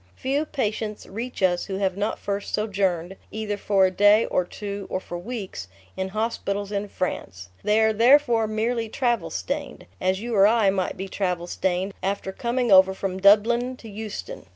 Few patients reach us who have not first sojourned, either for a day or two or for weeks, in hospitals in France. They are therefore merely travel stained, as you or I might be travel stained after coming over from Dublin to Euston.